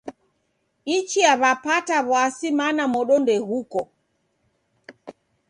Ichia w'apata w'asi mana modo ndeghuko.